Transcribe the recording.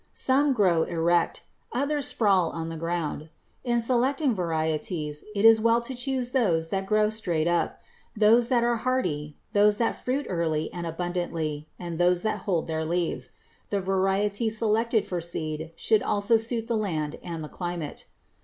Some grow erect; others sprawl on the ground. In selecting varieties it is well to choose those that grow straight up, those that are hardy, those that fruit early and abundantly, and those that hold their leaves. The variety selected for seed should also suit the land and the climate.